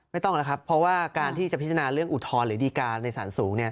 ไม่ต้องแล้วครับเพราะว่าการที่จะพิจารณาเรื่องอุทธรณ์หรือดีการในสารสูงเนี่ย